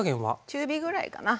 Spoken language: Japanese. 中火ぐらいかな。